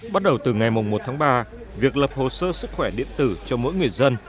bắt đầu từ ngày một tháng ba việc lập hồ sơ sức khỏe điện tử cho mỗi người dân